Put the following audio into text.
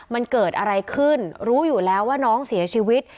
มันเกิดอะไรขึ้นรู้อยู่แล้วว่าน้องเสียชีวิต